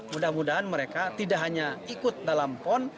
mudah mudahan mereka tidak hanya ikut dalam pon